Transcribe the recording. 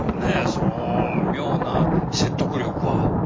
その妙な説得力は。